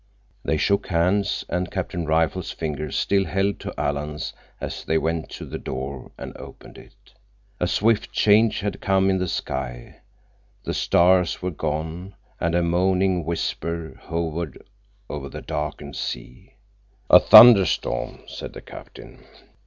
They shook hands, and Captain Rifle's fingers still held to Alan's as they went to the door and opened it. A swift change had come in the sky. The stars were gone, and a moaning whisper hovered over the darkened sea. "A thunder storm," said the captain.